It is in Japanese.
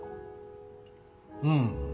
うん。